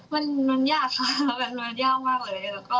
มันน้อยยากค่ะมันน้อยยากมากเลย